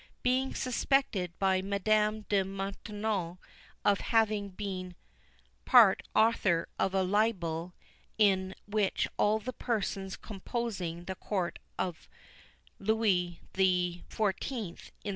Being suspected by Madame de Maintenon of having been part author of a libel in which all the persons composing the Court of Louis XIV.